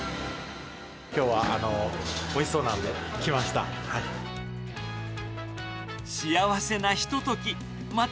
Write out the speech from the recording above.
きょうはおいしそうなんで来ました。